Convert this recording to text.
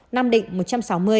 nam định một trăm sáu mươi